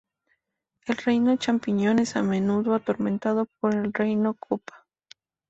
El Reino Champiñón es a menudo atormentado por el Reino Koopa.